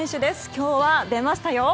今日は出ましたよ。